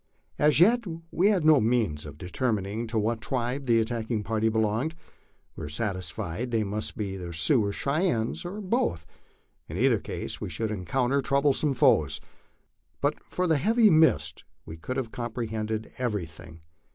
As yet we had no means of determining to what tribe the attacking party belonged. We were satisfied they must be either Sioux or Cheyennes, or both ; in either case we should encounter troublesome foes. But for the heavy mist we could have comprehended everything.